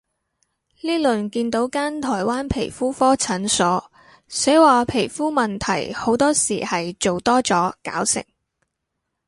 呢輪見到間台灣皮膚科診所，寫話皮膚問題好多時係做多咗搞成